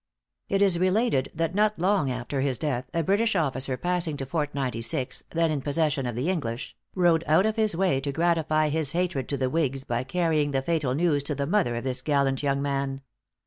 It is related that not long after his death, a British officer passing to Fort Ninety Six, then in possession of the English, rode out of his way to gratify his hatred to the whigs by carrying the fatal news to the mother of this gallant young man.